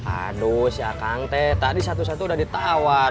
aduh si akang teh tadi satu satu udah ditawar